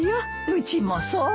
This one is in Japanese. うちもそう。